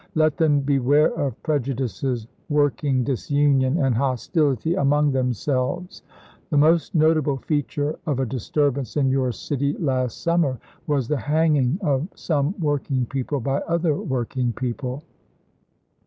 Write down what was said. Let them beware of prejudices working disunion and hostility among them LINCOLN RENOMINATED 61 selves. The most notable feature of a disturbance in chap. ni. your city last summer was the hanging of some working Mar.2i,i864. people by other working people.